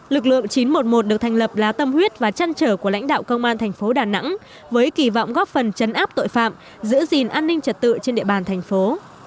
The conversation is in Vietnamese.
lực lượng chín trăm một mươi một được thành lập là tâm huyết và chăn trở của lãnh đạo công an thành phố đà nẵng với kỳ vọng góp phần chấn áp tội phạm giữ gìn an ninh trật tự trên địa bàn thành phố